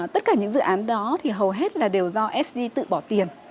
tất cả những dự án đó thì hầu hết là đều do sd tự bỏ tiền